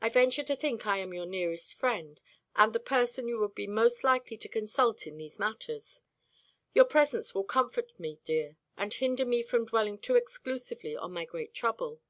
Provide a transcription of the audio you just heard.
I venture to think I am your nearest friend, and the person you would be most likely to consult in these matters. Your presence will comfort me, dear, and hinder me from dwelling too exclusively on my great trouble.